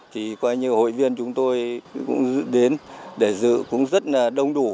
hội viên chúng tôi đến để giữ cũng rất đông đủ